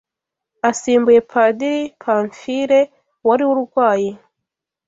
asimbuye Padiri Papfile wari urwaye